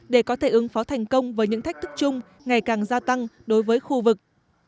để có thể ứng phó thành công với những thách thức chung ngày càng gia tăng đối với khu vực